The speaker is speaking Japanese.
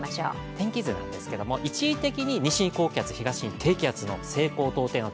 天気図なんですが、一時的に西に高気圧、東に高気圧の西高東低の